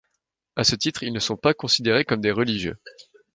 À ce titre, ils ne sont pas considérés comme des religieux.